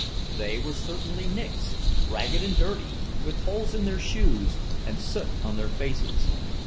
They were certainly "Micks" ragged and dirty, with holes in their shoes and soot on their faces.